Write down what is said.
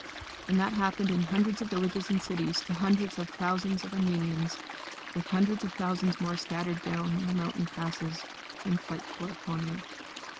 And that happened in hundreds of villages and cities to hundred of thousands of Armenians, while hundreds of thousands more scattered down the mountain passes in flight towards Konia.